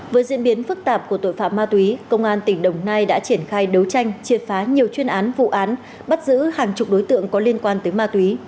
với diễn biến phức tạp của tội phạm ma túy công an tỉnh đồng nai đã triển khai đấu tranh triệt phá nhiều chuyên án vụ án bắt giữ hàng chục đối tượng có liên quan tới ma túy